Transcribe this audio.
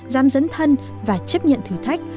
dám dẫn thân và chấp nhận thử thách